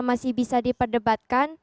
masih bisa diperdebatkan